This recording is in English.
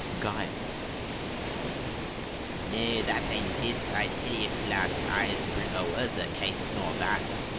GILES. "No, that arn't it, I tell 'ee flat; I'ze bring a worser case nor that!"